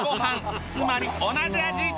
つまり同じ味！